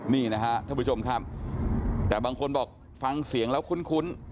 นี่นะฮะท่านผู้ชมครับแต่บางคนบอกฟังเสียงแล้วคุ้น